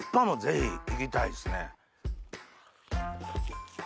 いきたいですね。